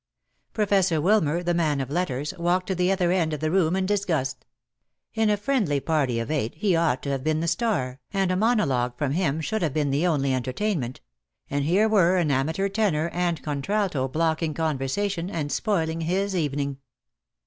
Professor Wilmer, the man of letters, walked to the other end of the room in disgust. In a friendly party of eight he ought to have been the star, and a monologue from him should have been the only entertainment; and here were an amateur tenor and contralto blocking conversation, and spoiling his evening.